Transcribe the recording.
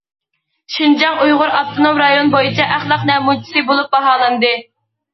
شىنجاڭ ئۇيغۇر ئاپتونوم رايون بويىچە ئەخلاق نەمۇنىچىسى بولۇپ باھالاندى.